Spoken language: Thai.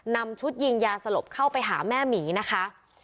นำชุดยิงยาสลบเข้าไปหาแม่หมีนะคะ